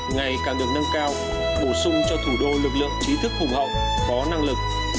ngày càng được nâng cao bổ sung cho thủ đô lực lượng trí thức hùng hậu có năng lực